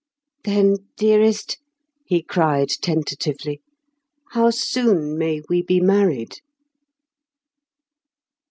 "Then, dearest," he cried tentatively, "how soon may we be married?"